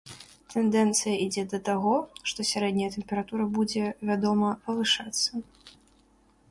Тэндэнцыя ідзе да таго, што сярэдняя тэмпература будзе, вядома, павышацца.